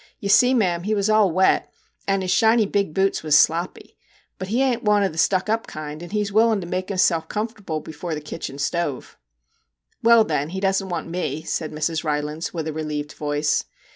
Ye see, ma'am, he was all wet, and his shiny big boots was sloppy. But he an't one o' the stuck up kind, and he 's willin' to make hisself comfble before the kitchen stove.' 'Well, then, he don't want me, said Mrs. Rylands, with a relieved voice.